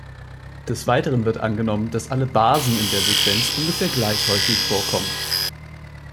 Des Weiteren wird angenommen, dass alle Basen in der Sequenz ungefähr gleich häufig vorkommen.